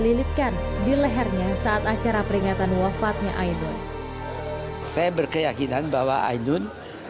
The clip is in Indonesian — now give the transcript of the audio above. lilitkan di lehernya saat acara peringatan wafatnya ainun saya berkeyakinan bahwa ainun